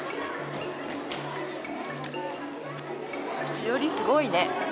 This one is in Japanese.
しおりすごいね。